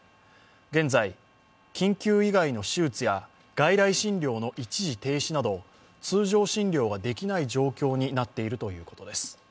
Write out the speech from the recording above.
現在、緊急以外の手術や外来診療の一時停止など通常診療ができない状況になっているということです。